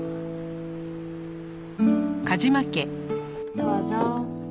どうぞ。